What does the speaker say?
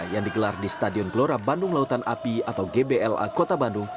yang digelar di stadion gelora bandung lautan api atau gbla kota bandung